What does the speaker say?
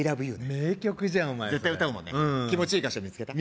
名曲じゃんお前絶対歌うもんね気持ちいい箇所見つけた？